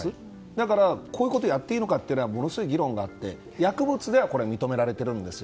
だから、こういうことをやっていいのかっていう議論がものすごくあって薬物ではこれは認められているんです。